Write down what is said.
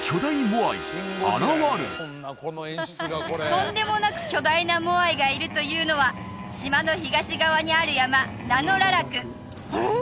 とんでもなく巨大なモアイがいるというのは島の東側にある山ラノ・ララクあれ？